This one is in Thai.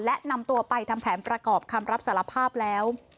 และนำตัวไปทำแผนประกอบคำรับสารภาพแล้ว